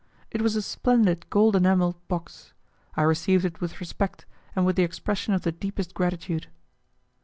It was a splendid gold enamelled box. I received it with respect, and with the expression of the deepest gratitude.